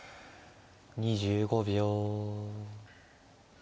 ２５秒。